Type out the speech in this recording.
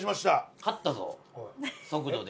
勝ったぞ速度で。